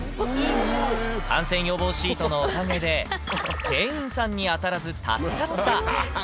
感染予防シートのおかげで、店員さんに当たらず助かった。